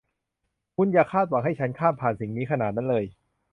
คุณอย่าคาดหวังให้ฉันข้ามผ่านสิ่งนี้ขนาดนั้นเลย